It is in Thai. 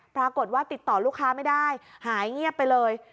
ปรากฏว่าติดต่อลูกค้าไม่ได้หายเงียบไปเลย